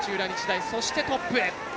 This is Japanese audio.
そして、トップへ。